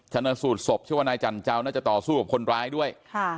ชนะสูตรศพชื่อว่านายจันเจ้าน่าจะต่อสู้กับคนร้ายด้วย